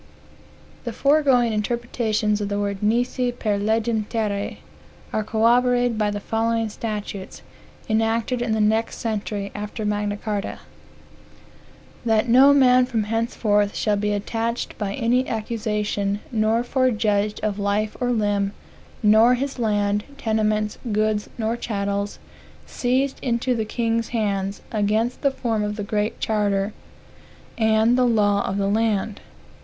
The foregoing interpretations of the words nisi per legem terrae are corroborated by the following statutes, enacted in the next century after Magna Carta. "That no man, from henceforth; shall be attached by any accusation, nor forejudged of life or limb, nor his land, tenements, goods, nor chattels, seized into the king's hands, against the form of the Great Charter, and the law of the land."